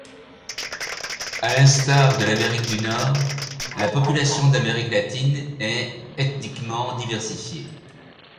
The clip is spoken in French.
À l'instar de l'Amérique du Nord, la population d'Amérique latine est ethniquement diversifiée.